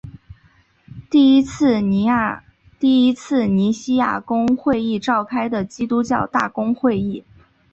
第一次尼西亚公会议召开的基督教大公会议。